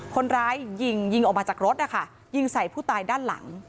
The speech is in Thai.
คนร้ายยิงยิงออกมาจากรถนะคะยิงใส่ผู้ตายด้านหลัง